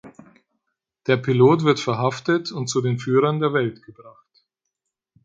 Der Pilot wird verhaftet und zu den Führern der Welt gebracht.